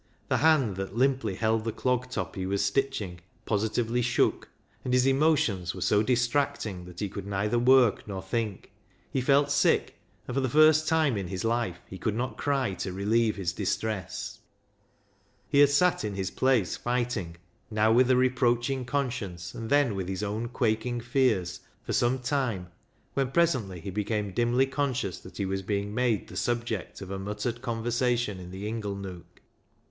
The hand that limply held the clog top he was stitching positively shook, and his emotions were so distracting that he could neither work nor think. He felt sick, and for the first time in his life he could not cry to relieve his distress. He had sat in his place fighting, now with a reproaching conscience and then with his own quaking fears, for some time, when presently he became dimly conscious that he was being made the subject of a muttered conversation in the inglenook.